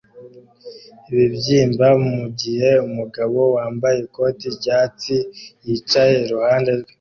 ibibyimba mugihe umugabo wambaye ikoti ryatsi yicaye iruhande rwe